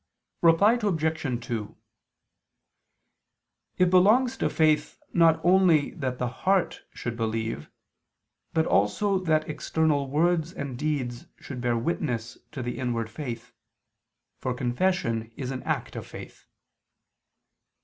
Reply Obj. 2: It belongs to faith not only that the heart should believe, but also that external words and deeds should bear witness to the inward faith, for confession is an act of faith.